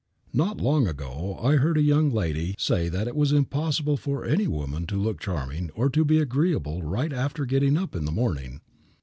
Not long ago I heard a young lady say that it was simply impossible for any woman to look charming or to be agreeable right after getting up in the morning.